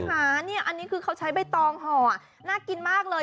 อันนี้คือเขาใช้ใบตองห่อน่ากินมากเลย